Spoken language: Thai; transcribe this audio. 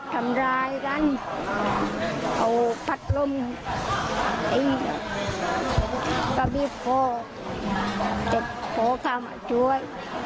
ทำรายกันเอาพัดลมอีกก็บีบพ่อเจ็บพ่อข้าวมาช่วย